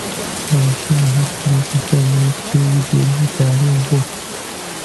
هەمیشە هەر خەریکی خوێندنەوەی کتێبی دینی و تاریخ بوو